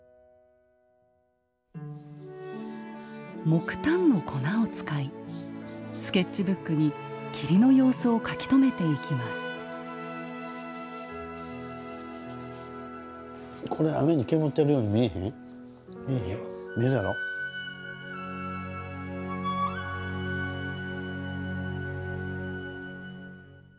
木炭の粉を使いスケッチブックに霧の様子を書き留めていきます見えます。